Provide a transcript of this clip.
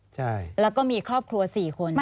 ใช่แล้วก็มีครอบครัว๔คน